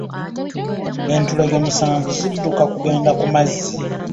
Entulege musaanvu zidduka kugenda ku mazzi.